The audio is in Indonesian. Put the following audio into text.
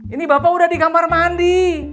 ini bapak udah di kamar mandi